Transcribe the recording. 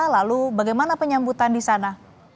lalu bagaimana penyambutan di sana